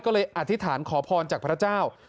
ก็เลยอธิษฐานขอพรจากพระเจ้า